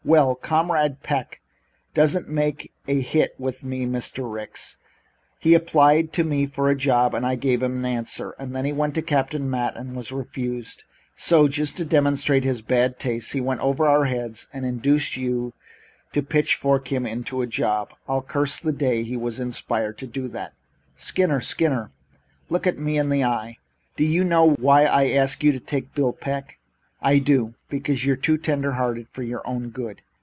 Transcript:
"Well, Comrade Peck doesn't make a hit with me, Mr. Ricks. He applied to me for a job and I gave him his answer. Then he went to Captain Matt and was refused, so, just to demonstrate his bad taste, he went over our heads and induced you to pitchfork him into a job. He'll curse the day he was inspired to do that." "Skinner! Skinner! Look me in the eye! Do you know why I asked you to take on Bill Peck?" "I do. Because you're too tender hearted for your own good."